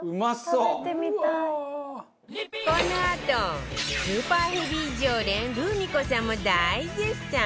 このあとスーパーヘビー常連ルミ子さんも大絶賛